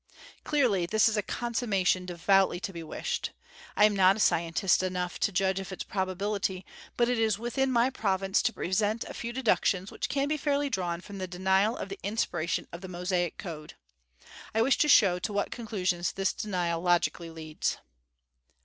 Certainly this is a consummation devoutly to be wished. I am not scientist enough to judge of its probability, but it is within my province to present a few deductions which can be fairly drawn from the denial of the inspiration of the Mosaic Code. I wish to show to what conclusions this denial logically leads.